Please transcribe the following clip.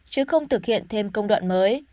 chứ không thực hiện thêm công đoạn mới